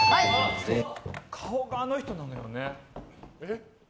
顔があの人なのよね。